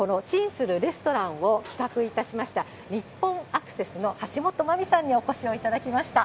するレストランを企画いたしました、日本アクセスの橋本真美さんにお越しをいただきました。